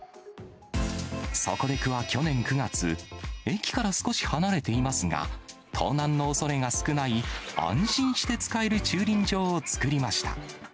そこで区は、去年９月、駅から少し離れていますが、盗難のおそれが少ない安心して使える駐輪場を作りました。